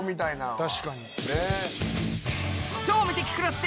確かに。